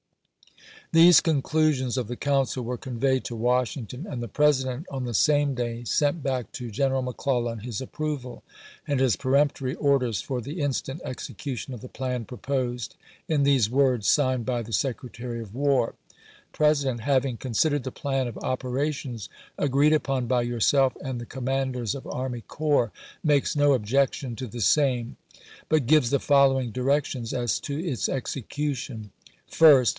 These conclusions of the council were conveyed to Washington, and the President on the same day MANASSAS EVACUATED 181 sent back to G eneral McClellan his approval, and chap. x. his peremptory orders for the instant execution of the plan proposed, in these words signed by the Secretary of War :" The President having con sidered the plan of operations agreed upon by yourself and the commanders of army corps, makes no objection to the same, but gives the following directions as to its execution: First.